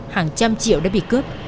hàng trăm triệu đã bị cướp